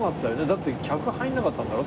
だって客入らなかったんだろ？